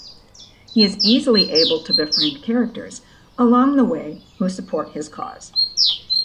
He is easily able to befriend characters along the way who support his cause.